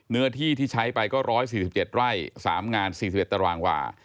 เนื้อที่ที่ใช้ไปก็๑๔๗ไร่๓งาน๔๑ตารางวา